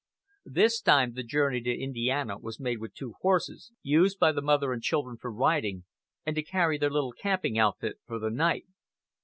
This time the journey to Indiana was made with two horses, used by the mother and children for riding, and to carry their little camping outfit for the night.